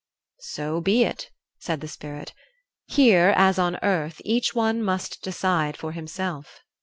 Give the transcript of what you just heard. "So be it," said the Spirit. "Here, as on earth, each one must decide for himself."